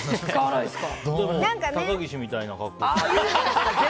高岸みたいな格好で。